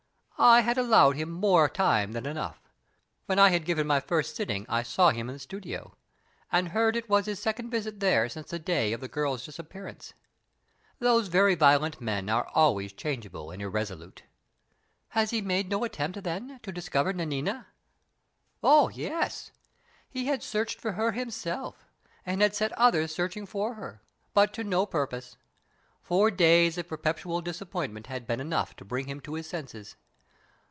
"I had allowed him more time than enough. When I had given my first sitting I saw him in the studio, and heard it was his second visit there since the day of the girl's disappearance. Those very violent men are always changeable and irresolute." "Had he made no attempt, then, to discover Nanina?" "Oh, yes! He had searched for her himself, and had set others searching for her, but to no purpose. Four days of perpetual disappointment had been enough to bring him to his senses.